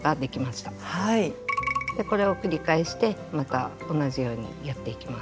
これを繰り返してまた同じようにやっていきます。